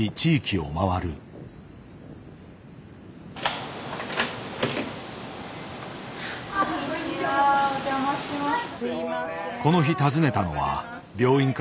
ほなお邪魔します。